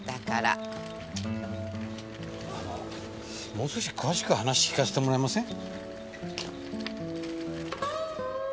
あのもう少し詳しく話聞かせてもらえません？